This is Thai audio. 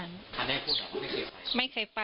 คันนี้พูดเหรอว่าไม่เคยไป